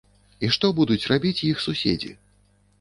І што будуць рабіць іх суседзі?